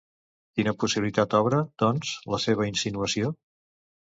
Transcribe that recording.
Quina possibilitat obre, doncs, la seva insinuació?